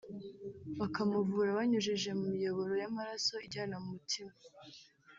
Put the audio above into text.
bakamuvura banyujije mu miyoboro y’amaraso ijyana mu mutima